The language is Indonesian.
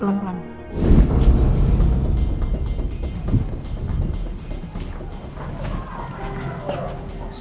maaf pak al